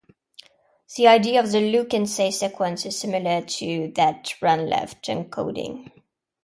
The idea of the look-and-say sequence is similar to that of run-length encoding.